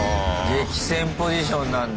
激戦ポジションなんだ。